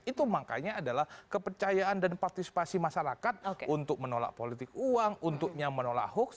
itu makanya adalah kepercayaan dan partisipasi masyarakat untuk menolak politik uang untuknya menolak hoax